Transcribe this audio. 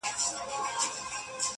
o د يوسفي ښکلا چيرمنې نوره مه راگوره.